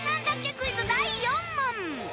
クイズ第４問！